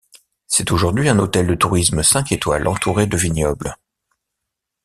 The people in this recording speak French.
C'est aujourd'hui un hôtel de tourisme cinq étoiles, entouré de vignobles.